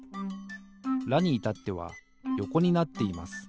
「ラ」にいたってはよこになっています。